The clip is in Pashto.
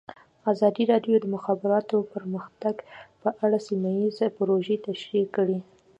ازادي راډیو د د مخابراتو پرمختګ په اړه سیمه ییزې پروژې تشریح کړې.